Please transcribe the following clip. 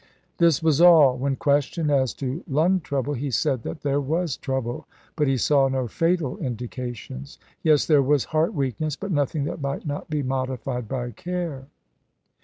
This was all. When questioned as to lung trouble, he said that there was trouble, but he saw no fatal indications. Yes, there was heart weakness; but nothing that might not be modified by care.